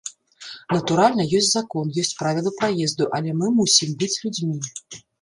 Натуральна, ёсць закон, ёсць правілы праезду, але мы мусім быць людзьмі.